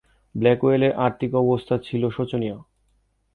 ব্ল্যাকওয়েলের আর্থিক অবস্থা ছিল শোচনীয়।